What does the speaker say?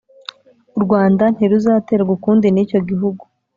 urwanda ntiruzaterwa ukundi nicyo gihugu"